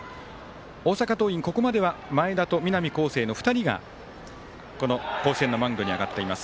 大阪桐蔭、ここまでは前田と南恒誠の２人が、この甲子園のマウンドに上がっています。